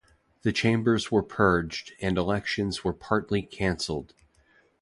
The chambers were purged, and elections were partly cancelled.